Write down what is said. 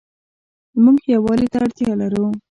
مونږ يووالي ته اړتيا لرو